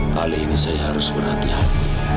kali ini saya harus berhati hati